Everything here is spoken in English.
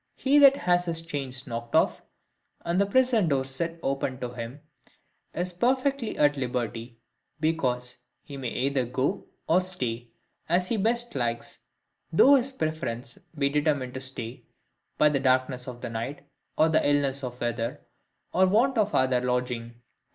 He that has his chains knocked off, and the prison doors set open to him, is perfectly at liberty, because he may either go or stay, as he best likes, though his preference be determined to stay, by the darkness of the night, or illness of the weather, or want of other lodging.